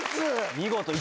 見事。